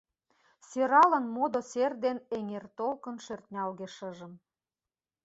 Сӧралын модо Сер ден эҥер толкын Шӧртнялге шыжым.